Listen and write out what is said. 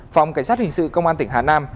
phòng cảnh sát hình sự công an tỉnh hà nam